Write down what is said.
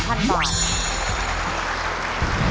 ตอบถูก๒ข้อรับ๑๐๐๐๐บาท